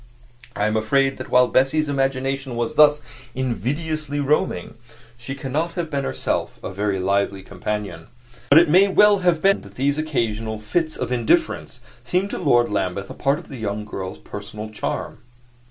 I am afraid that while Bessie's imagination was thus invidiously roaming, she cannot have been herself a very lively companion; but it may well have been that these occasional fits of indifference seemed to Lord Lambeth a part of the young girl's personal charm.